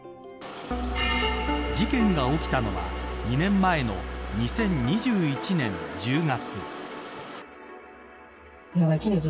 事件が起きたのは２年前の２０２１年１０月。